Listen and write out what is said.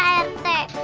kasian deh prt